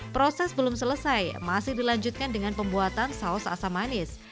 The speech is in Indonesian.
proses belum selesai masih dilanjutkan dengan pembuatan saus asam manis